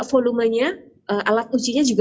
volumenya alat ucinya juga